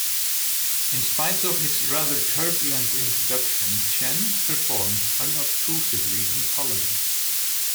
In spite of his rather turbulent introduction, Tchen performed unobtrusively in parliament.